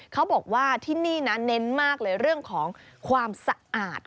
เขาบอกว่าที่นี่นะเน้นมากเลยเรื่องของความสะอาด